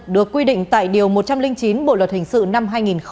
được quy định tại điều một trăm linh chín bộ luật hình sự năm hai nghìn một mươi năm